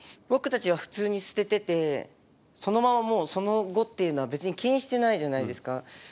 僕たちが普通に捨てててそのままもうその後っていうのは別に気にしてないじゃないですか。